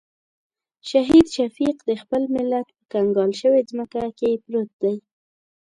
شهید شفیق د خپل ملت په کنګال شوې ځمکه کې پروت دی.